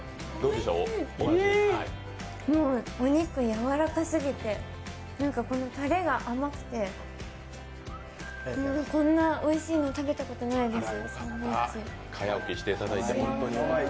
おいしい、お肉やわらかすぎて、タレが甘くて、こんなおいしいの食べたことないです。